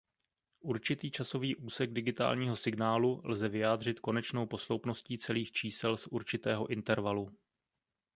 Určitý časový úsek digitálního signálu lze vyjádřit konečnou posloupností celých čísel z určitého intervalu.